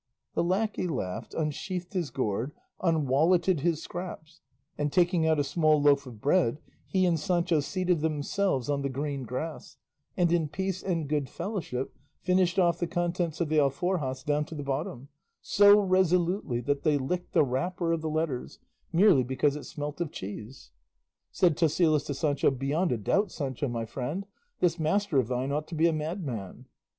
The lacquey laughed, unsheathed his gourd, unwalletted his scraps, and taking out a small loaf of bread he and Sancho seated themselves on the green grass, and in peace and good fellowship finished off the contents of the alforjas down to the bottom, so resolutely that they licked the wrapper of the letters, merely because it smelt of cheese. Said Tosilos to Sancho, "Beyond a doubt, Sancho my friend, this master of thine ought to be a madman."